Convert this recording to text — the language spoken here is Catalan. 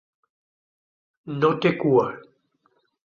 No té cua.